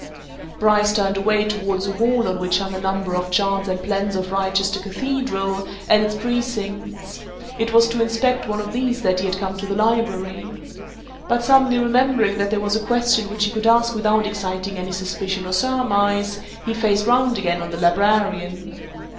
Bryce turned away towards a wall on which hung a number of charts and plans of Wrychester Cathedral and its precincts it was to inspect one of these that he had come to the Library. But suddenly remembering that there was a question which he could ask without exciting any suspicion or surmise, he faced round again on the librarian.